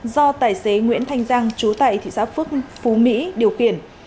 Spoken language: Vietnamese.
do tài xế nguyễn thanh giang chú tài thị xã phú mỹ điều kiển